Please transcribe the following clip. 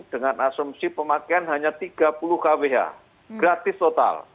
dengan asumsi pemakaian hanya tiga puluh kwh gratis total